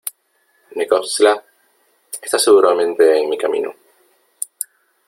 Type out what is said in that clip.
Necoxtla , está seguramente en mi camino .